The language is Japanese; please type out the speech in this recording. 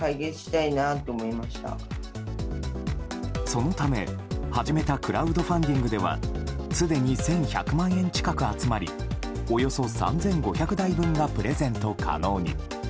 そのため始めたクラウドファンディングではすでに１１００万円近く集まりおよそ３５００台分がプレゼント可能に。